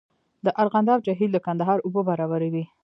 د ارغنداب جهیل د کندهار اوبه برابروي